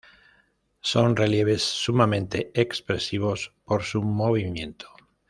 Son relieves sumamente expresivos por su movimiento.